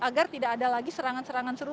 agar tidak ada lagi serangan serangan seru